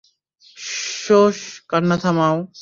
সশস, কান্না থামাও।